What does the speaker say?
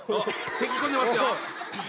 せきこんでますよ！